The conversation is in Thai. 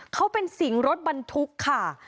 เขาเป็นสิงรถบรรทุกค่ะ